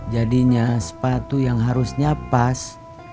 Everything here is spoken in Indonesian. jadinya sepatu yang harusnya pas